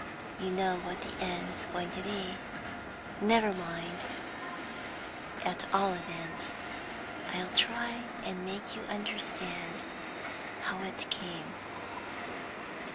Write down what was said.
"You know what the end's going to be; never mind, at all events I'll try and make you understand how it came.